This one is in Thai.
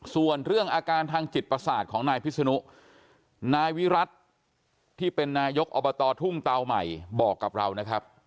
ส่วนเรื่องอาการทางจิตประสาทของนายพิษนุนายวิรัติที่เป็นนายกอบตทุ่งเตาใหม่บอกกับเรานะครับ